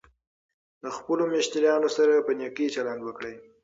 د خپلو مشتریانو سره په نېکۍ چلند وکړئ.